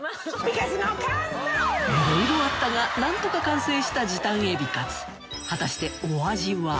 いろいろあったが何とか完成した時短エビカツ果たしてお味は？